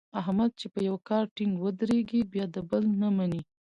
احمد چې په یوه کار ټینګ ودرېږي بیا د بل نه مني.